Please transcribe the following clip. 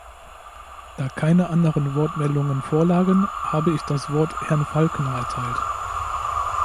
Da keine anderen Wortmeldungen vorlagen, habe ich das Wort Herrn Falconer erteilt.